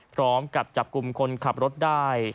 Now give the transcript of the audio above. พร้อมกับจับกลุ่มคนขับรถได้